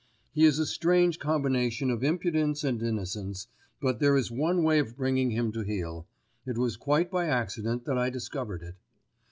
He is a strange combination of impudence and innocence; but there is one way of bringing him to heel. It was quite by accident that I discovered it.